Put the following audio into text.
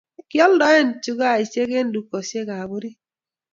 kioldoen chokaisiek eng' dukosiekab orit.